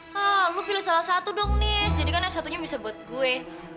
hah lo pilih salah satu dong nis jadi kan yang satunya bisa buat gue